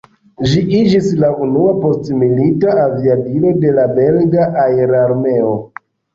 Ĝi iĝis la unua postmilita aviadilo de la belga aerarmeo.